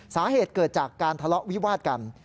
สาเหตุเกิดจากการทะเลาะวิวาดกัน